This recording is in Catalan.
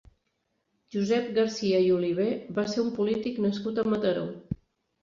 Josep Garcia i Oliver va ser un polític nascut a Mataró.